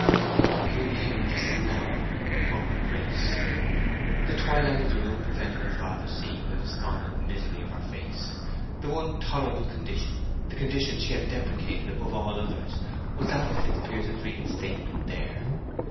"He will be here in less than an hour," murmured Grace. The twilight of the room prevented her father seeing the despondent misery of her face. The one intolerable condition, the condition she had deprecated above all others, was that of Fitzpiers's reinstatement there.